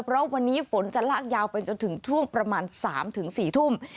เพราะวันนี้ฝนจะลากยาวไปจนถึงช่วงประมาณ๓๔ทุ่ม